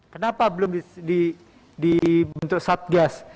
kenapa belum dibentuk satgas